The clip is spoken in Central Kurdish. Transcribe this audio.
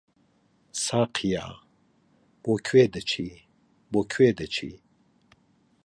ساقییا! بۆ کوێ دەچی، بۆ کوێ دەچی؟